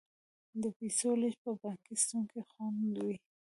د پیسو لیږد په بانکي سیستم کې خوندي وي.